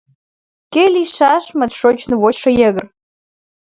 Кӧ лийшашмыт шочын вочшо йыгыр